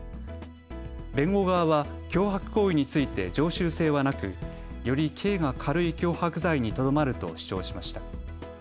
弁護側は脅迫行為について常習性はなくより刑が軽い脅迫罪にとどまると主張しました。